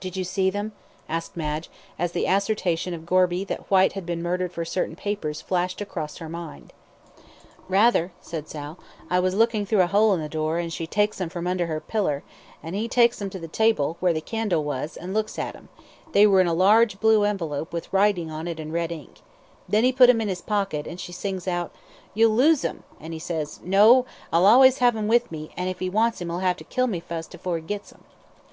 "Did you see them?" asked Madge, as the assertion of Gorby that Whyte had been murdered for certain papers flashed across her mind. "Rather," said Sal, "I was looking through a hole in the door, an' she takes 'em from under her piller, an' 'e takes 'em to the table, where the candle was, an' looks at 'em they were in a large blue envelop, with writing on it in red ink then he put 'em in his pocket, and she sings out: 'You'll lose 'em,' an' 'e says: 'No, I'll always 'ave 'em with me, an' if 'e wants 'em 'e'll have to kill me fust afore 'e gits 'em.'"